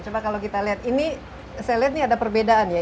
coba kalau kita lihat ini saya lihat ini ada perbedaan ya